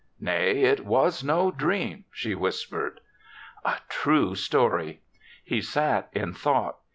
" Nay, it was no dream," she whis pered. A true story! He sat in thought.